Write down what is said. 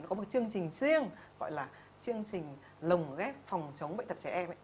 nó có một chương trình riêng gọi là chương trình lồng ghép phòng chống bệnh tật trẻ em ấy